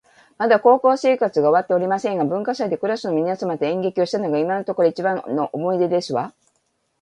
まだ高校生活が終わっておりませんが、文化祭でクラスの皆様と演劇をしたのが今のところ一番の思い出ですわ